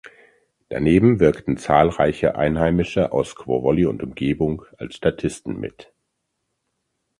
Daneben wirkten zahlreiche Einheimische aus Squaw Valley und Umgebung als Statisten mit.